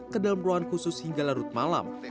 ke dalam ruangan khusus hingga larut malam